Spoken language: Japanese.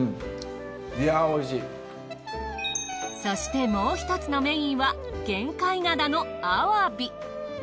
そしてもう１つのメインは玄界灘の鮑。